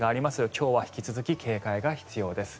今日は引き続き警戒が必要です。